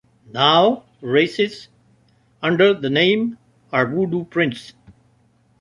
Now races under the name Our Voodoo Prince.